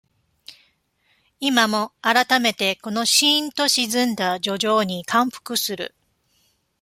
今も、改めて、このしんと沈んだ抒情に感服する。